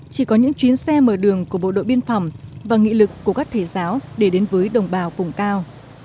chỉ có những chuyến xe mở đường của bộ đội biên phòng và nghị lực của các thầy giáo để đến với đồng bào vùng cao